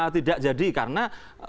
tidak jadi karena